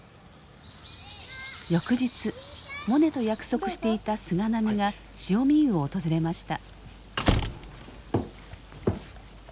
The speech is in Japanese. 翌日モネと約束していた菅波が汐見湯を訪れました。